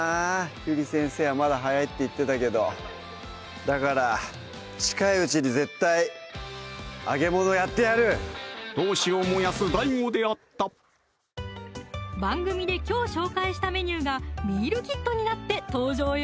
ゆり先生はまだ早いって言ってたけどだから近いうちに絶対闘志を燃やすＤＡＩＧＯであった番組で今日紹介したメニューがミールキットになって登場よ